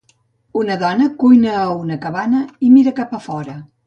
Una dona cuina a una cabana i mira cap a fora.